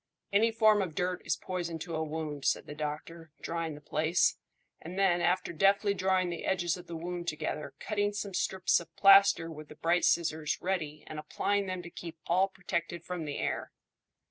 "Any form of dirt is poison to a wound," said the doctor, drying the place; and then, after deftly drawing the edges of the wound together, cutting some strips of plaister with the bright scissors ready, and applying them to keep all protected from the air.